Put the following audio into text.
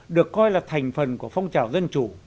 được coi là thành phần của phong trào dân chủ